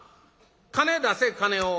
金出せ金を」。